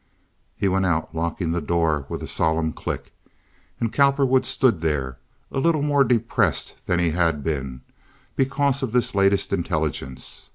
He went out, locking the door with a solemn click; and Cowperwood stood there, a little more depressed than he had been, because of this latest intelligence.